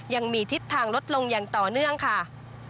ยังมีทิศทางลดลงอย่างต่อเนื่องค่ะ